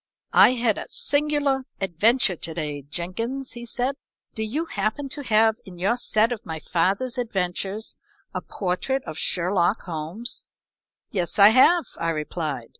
"I had a singular adventure to day, Jenkins," he said. "Do you happen to have in your set of my father's adventures a portrait of Sherlock Holmes?" "Yes, I have," I replied.